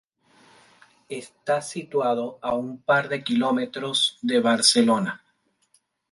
Está situado a un par de kilómetros de Barcelona.